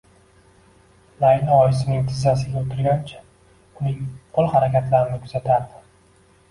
Laylo oyisining tizzasiga o`tirgancha uning qo`l harakatlarini kuzatardi